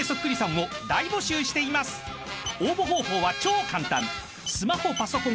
［応募方法は超簡単］